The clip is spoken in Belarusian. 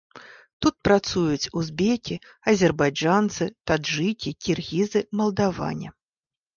Тут працуюць узбекі, азербайджанцы, таджыкі, кіргізы, малдаване.